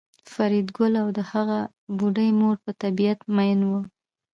فریدګل او د هغه بوډۍ مور په طبیعت میئن وو